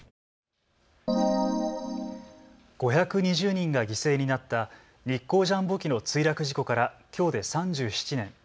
５２０人が犠牲になった日航ジャンボ機の墜落事故からきょうで３７年。